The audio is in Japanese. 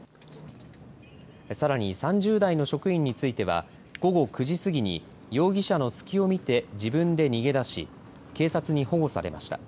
さらに３０代の職員については午後９時過ぎに容疑者の隙を見て自分で逃げ出し警察に保護されました。